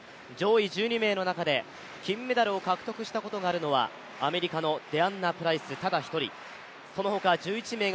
上位１２名の中で金メダルを獲得したことがあるのはアメリカのデアンナプライスただ１人。